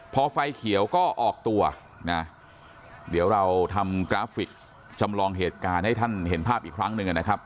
พอไฟเขียวก็ออกตัวนะเดี๋ยวเราทำกราฟิกจำลองเหตุการณ์ให้ท่านเห็นภาพอีกครั้งหนึ่งนะครับ